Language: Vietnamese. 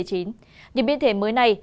điểm biến thể mới này